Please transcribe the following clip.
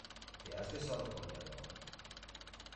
¿ te has besado con Leonor?